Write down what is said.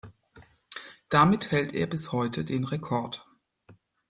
Damit hält er bis heute den Rekord.